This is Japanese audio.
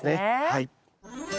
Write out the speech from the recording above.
はい。